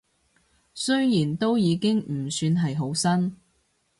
雖然都已經唔算係好新